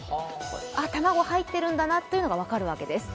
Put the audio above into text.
あ、卵が入っているんだなというのが分かるわけです。